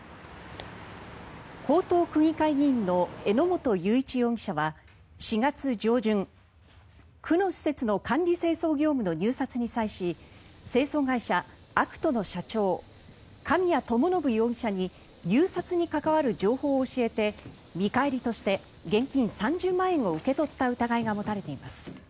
江東区議会議員の榎本雄一容疑者は４月上旬区の施設の管理清掃業務の入札に際し清掃会社アクトの社長神谷知伸容疑者に入札に関わる情報を教えて見返りとして現金３０万円を受け取った疑いが持たれています。